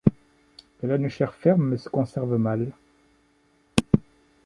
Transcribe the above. Elle a une chair ferme mais se conserve mal.